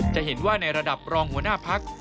จะเห็นว่าในระดับรองหัวหน้าพัก